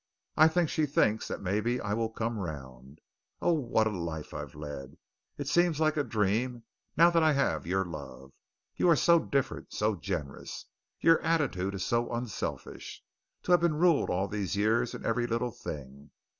I think she thinks that maybe I will come round. Oh, what a life I've led! It seems like a dream, now that I have your love. You are so different, so generous! Your attitude is so unselfish! To have been ruled all these years in every little thing.